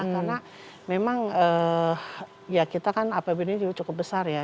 karena memang ya kita kan apbd ini cukup besar ya